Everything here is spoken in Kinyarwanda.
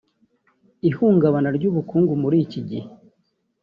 Ihungabana ry’ubukungu muri iki gihe